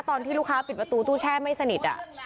ตอนที่ลูกค้าปิดประตูตู้แช่ไม่สนิท